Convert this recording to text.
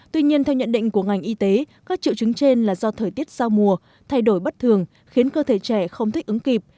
tuy nhiên theo nhận định của ngành y tế các triệu chứng trên là do thời tiết giao mùa thay đổi bất thường khiến cơ thể trẻ không thích ứng kịp